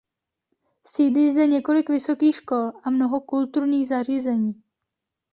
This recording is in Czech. Sídlí zde několik vysokých škol a mnoho kulturních zařízení.